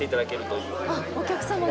あっお客様が。